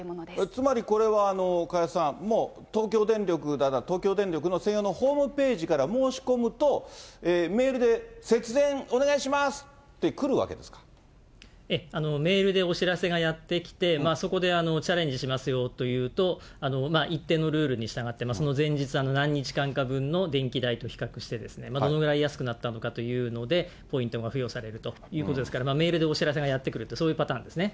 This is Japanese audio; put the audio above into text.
つまりこれは加谷さん、東京電力なら、東京電力の専用のホームページから申し込むとメールで節電お願いメールでお知らせがやって来て、そこでチャレンジしますよと言うと、一定のルールに従って、その前日、何日間か分の電気代と比較してどのぐらい安くなったのかというので、ポイントが付与されるということですから、メールでお知らせがやって来ると、そういうパターンですね。